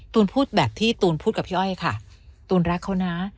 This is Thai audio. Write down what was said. พูดแบบที่ตูนพูดกับพี่อ้อยค่ะตูนรักเขานะ